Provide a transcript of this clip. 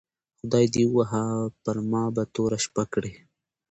خدای دي ووهه پر ما به توره شپه کړې